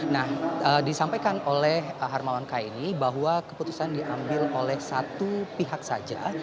nah disampaikan oleh harmawan kaini bahwa keputusan diambil oleh satu pihak saja